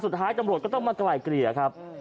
สุดท้ายตำรวจก็ต้องมาไกลเกลี่ยครับ